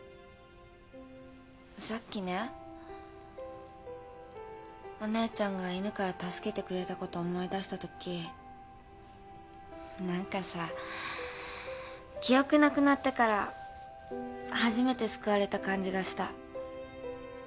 さっきねお姉ちゃんが犬から助けてくれたこと思い出したとき何かさ記憶なくなってから初めて救われた感じがした。